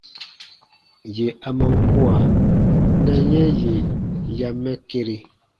Yè a man kua, na yɛ̃ yè ya mɛ kere.